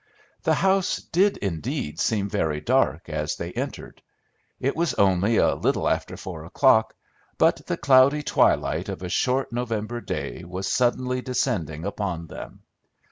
The house did indeed seem very dark as they entered. It was only a little after four o'clock, but the cloudy twilight of a short November day was suddenly descending upon them.